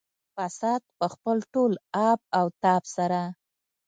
فساد په خپل ټول آب او تاب سره.